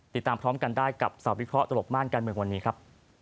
ติดตามพร้อมกันได้กับสาววิเคราะหลบม่านการเมืองวันนี้ครับ